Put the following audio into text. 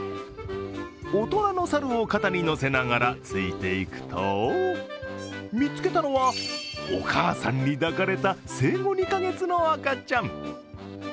大人の猿を肩に乗せながらついていくと見つけたのは、お母さんに抱かれた生後２カ月の赤ちゃん。